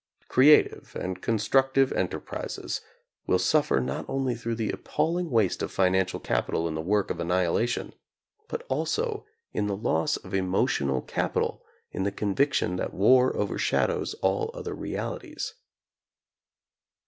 Creative and constructive enterprises will suffer not only through the appalling waste of financial capital in the work of annihilation, but also in the loss of emotional capital in the conviction that war overshadows all other realities.